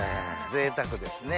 贅沢ですね。